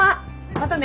またね。